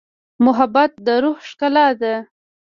محبت د روح ښکلا ده.